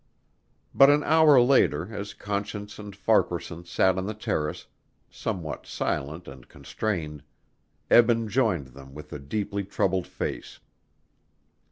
But an hour later as Conscience and Farquaharson sat on the terrace, somewhat silent and constrained, Eben joined them with a deeply troubled face.